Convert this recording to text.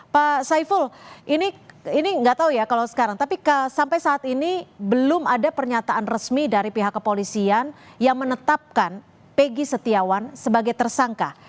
pak saiful ini nggak tahu ya kalau sekarang tapi sampai saat ini belum ada pernyataan resmi dari pihak kepolisian yang menetapkan peggy setiawan sebagai tersangka